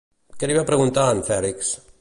Què li va preguntar en Fèlix?